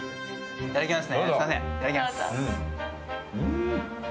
いただきます。